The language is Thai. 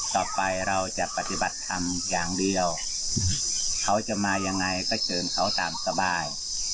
ต่อไปเราจะปฏิบัติธรรมอย่างเดียวเขาจะมายังไงก็เชิญเขาตามสบาย